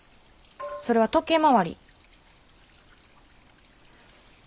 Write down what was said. それは時計回り。